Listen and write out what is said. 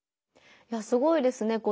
いやすごいですね。